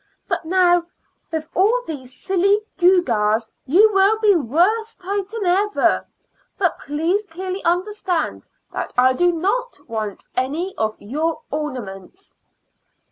"But now, with all these silly gewgaws, you will be worse titan ever. But please clearly understand that I do not want any of your ornaments."